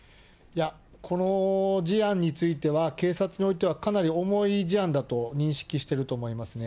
いや、この事案については、警察においてはかなり重い事案だと認識してると思いますね。